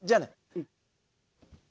うん。